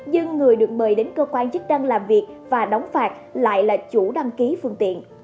nhưng người được mời đến cơ quan chức năng làm việc và đóng phạt lại là chủ đăng ký phương tiện